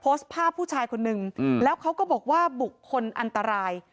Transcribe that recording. โพสต์ภาพผู้ชายคนนึงแล้วเขาก็บอกว่าบุคคลอันตราย